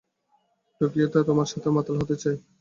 টোকিওতে তোমার সাথে মাতাল হতে চাই।